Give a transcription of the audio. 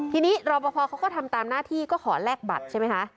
ทีนี้รอปภเขาก็ทำตามหน้าที่ก็ขอแลกบัตรใช่ไหมคะ